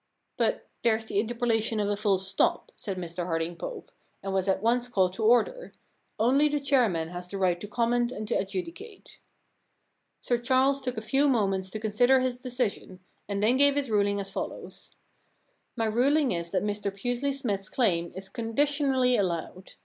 * But there's the interpolation of a full stop,' said Mr Harding Pope, and was at once called to order — only the chairman has the right to comment and to adjudicate. Sir Charles took a few moments to consider his decision, and then gave his ruling as follows :—* My ruling is that Mr Pusely Smythe's claim is conditionally allowed.